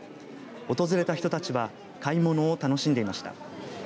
訪れた人たちは買い物を楽しんでいました。